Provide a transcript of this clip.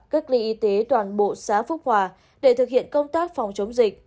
cách ly y tế toàn bộ xã phúc hòa để thực hiện công tác phòng chống dịch